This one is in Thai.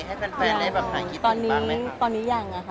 ให้แฟนแฟนได้แบบทางคิดถึงบ้างไหมครับตอนนี้ตอนนี้ยังอ่ะค่ะ